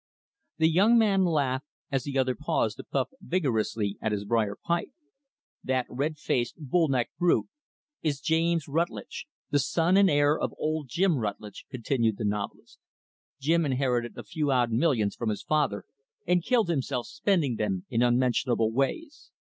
The young man laughed as the other paused to puff vigorously at his brier pipe. "That red faced, bull necked brute, is James Rutlidge, the son and heir of old Jim Rutlidge," continued the novelist. "Jim inherited a few odd millions from his father, and killed himself spending them in unmentionable ways.